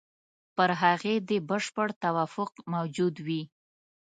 پر هغې دې بشپړ توافق موجود وي.